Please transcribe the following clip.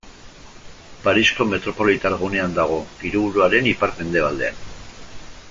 Parisko metropolitar gunean dago, hiriburuaren ipar-mendebaldean.